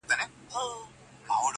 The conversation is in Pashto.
اې لکه ته، يو داسې بله هم سته,